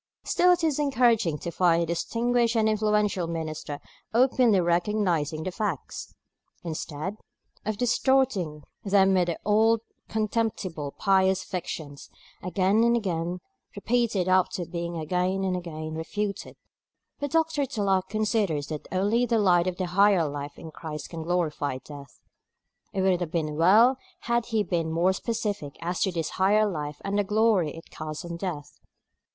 Still it is encouraging to find a distinguished and influential minister openly recognising the facts, instead of distorting them with the old contemptible pious fictions, again and again repeated after being again and again refuted. But Dr. Tulloch considers that only the light of the higher life in Christ can glorify death. It would have been well had he been more specific as to this higher life and the glory it casts on death.